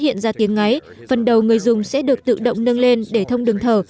khi rừng hiện ra tiếng ngáy phần đầu người dùng sẽ được tự động nâng lên để thông đường thở